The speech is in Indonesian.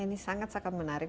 ini sangat sangat menarik